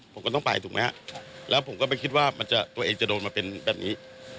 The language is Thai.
ผมก็ต้องไปถูกไหมฮะแล้วผมก็ไม่คิดว่าตัวเองจะโดนมาเป็นแบบนี้